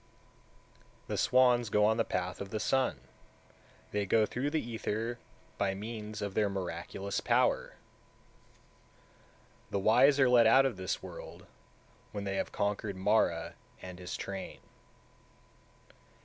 175. The swans go on the path of the sun, they go through the ether by means of their miraculous power; the wise are led out of this world, when they have conquered Mara and his train.